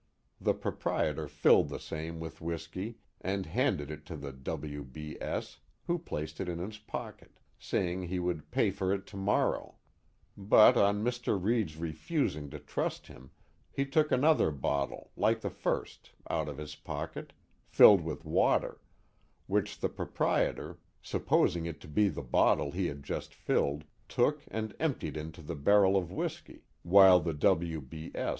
The proprietor filled the same with whiskey, and handed it to the w. b. s., who placed it in his pocket, saying he would pay for it to morrow "; but on Mr. Raid's refus ing to trust him, he took another bottle, like the first, out of his pocket, filled with water, which the proprietor, supposing it to be the bottle he had just filled, took and emptied into the barrel of whiskey, while the w. b. s.